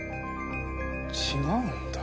違うんだ。